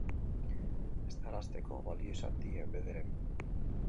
Esnarazteko balio izan die, bederen.